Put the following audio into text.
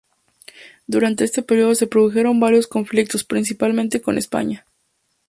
Durante este periodo se produjeron varios conflictos, principalmente con España.